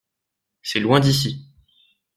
C’est loin d’ici.